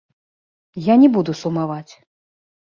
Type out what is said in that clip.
Я не буду сумаваць.